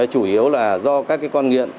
chủ yếu là do các con nghiện